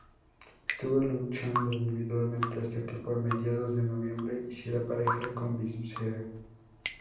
Estuvo luchando individualmente hasta que por mediados de noviembre hiciera pareja con Viscera.